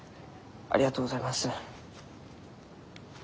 ありがとうございます。